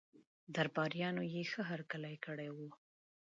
درباریانو یې ښه هرکلی کړی وو.